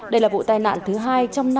đây là vụ tai nạn thứ hai trong năm